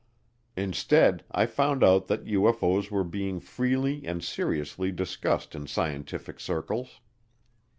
Instead I found out that UFO's were being freely and seriously discussed in scientific circles.